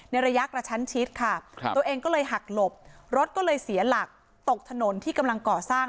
ระยะกระชั้นชิดค่ะตัวเองก็เลยหักหลบรถก็เลยเสียหลักตกถนนที่กำลังก่อสร้าง